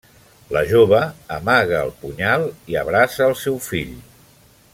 La jove amaga el punyal i abraça el seu fill.